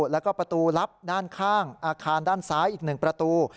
แล้วก็ประตูลับด้านข้างอาคารด้านซ้ายอีก๑ประตู